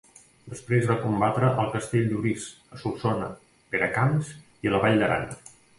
Després va combatre al castell d'Orís, a Solsona, Peracamps i a la vall d'Aran.